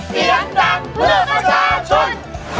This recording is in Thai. เสียงดังเพื่อประชาชน